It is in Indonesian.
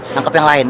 tangkap yang lain